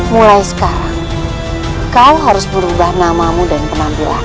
mulai sekarang kau harus berubah namamu dan penampilan